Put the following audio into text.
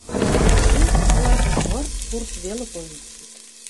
Сурт-влак вырт-вурт веле койын кодыт.